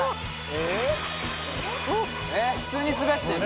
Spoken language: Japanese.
えっ普通に滑ってる？